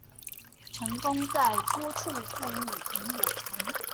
成功在多處復育螢火蟲